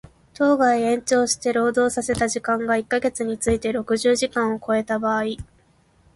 当該延長して労働させた時間が一箇月について六十時間を超えた場合